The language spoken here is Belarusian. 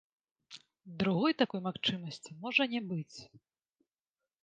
Другой такой магчымасці можа не быць.